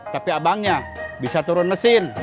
tapi abangnya bisa turun mesin